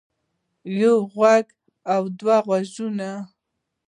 يو غوږ او دوه غوږونه